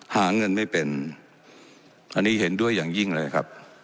หาเงินไม่เป็นอันนี้เห็นด้วยอย่างยิ่งเลยครับ